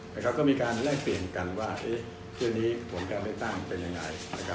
แต่เขาก็มีการแลกเปลี่ยนกันว่าเท่านี้ผลการได้ตั้งเป็นยังไง